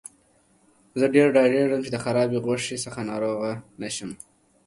زه ډیر ډاریږم چې د خرابې غوښې څخه ناروغه شم.